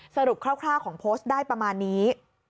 คร่าวของโพสต์ได้ประมาณนี้